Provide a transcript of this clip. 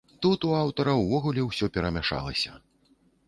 Тут у аўтара ўвогуле ўсё перамяшалася.